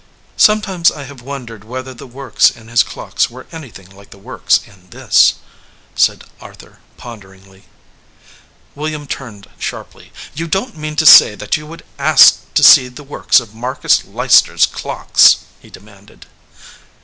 "Sometimes I have wondered whether the works in his clocks were anything like the works in this," said Arthur, ponderingly. 53 EDGEWATER PEOPLE William turned sharply. "You don t mean to say that you would ask to see the works of Marcus Leicester s clocks?" he demanded.